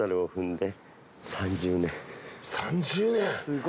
３０年？